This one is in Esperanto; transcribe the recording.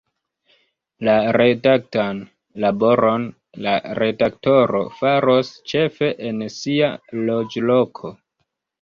La redaktan laboron la redaktoro faros ĉefe en sia loĝloko.